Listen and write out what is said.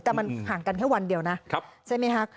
แต่มันห่างกันแค่วันเดียวนะใช่ไหมคะ